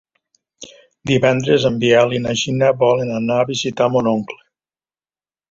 Divendres en Biel i na Gina volen anar a visitar mon oncle.